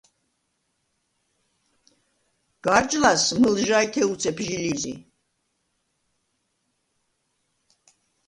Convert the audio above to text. გარჯ ლას მჷლჟაჲთე უცეფ ჟი ლი̄ზი.